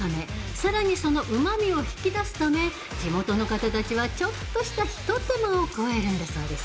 さらに、そのうまみを引き出すため、地元の方たちはちょっとした、ひと手間を加えるんだそうです。